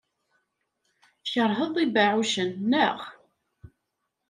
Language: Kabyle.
Tkeṛheḍ ibeɛɛucen, naɣ?